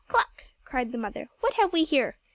cluck!" cried the mother. "What have we here?